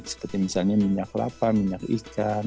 seperti misalnya minyak lapa minyak ikan